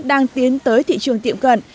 đang tiến tới thị trường tiệm cận